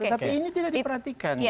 tapi ini tidak diperhatikan